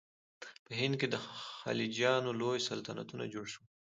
په هند کې د خلجیانو لوی سلطنتونه جوړ شول.